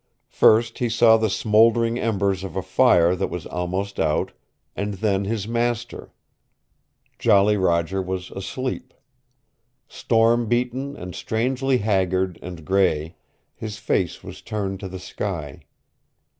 First he saw the smouldering embers of a fire that was almost out and then his master. Jolly Roger was asleep. Storm beaten and strangely haggard and gray his face was turned to the sky.